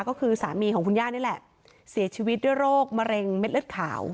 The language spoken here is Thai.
ก็คือสามีของคุณย่านี่แหละเสียชีวิตด้วยโรคมะเร็งเม็ดเลือดขาว